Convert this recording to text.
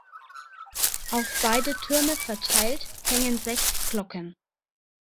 Auf beide Türme verteilt hängen sechs Glocken.